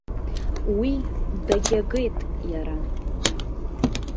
Уи дагьагеит иара.